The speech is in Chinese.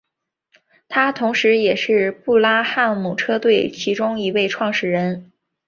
他同时也是布拉汉姆车队其中一位创始者。